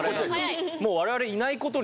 もう我々いないことになってる。